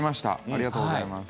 ありがとうございます。